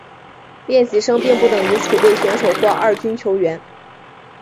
练习生并不等于储备选手或二军球员。